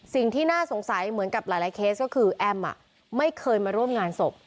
สิ่งที่น่าสงสัยเหมือนกับหลายเคสก็คือแอมไม่เคยมาร่วมงานศพ